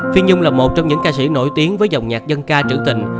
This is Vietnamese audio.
phi nhung là một trong những ca sĩ nổi tiếng với dòng nhạc dân ca trữ tình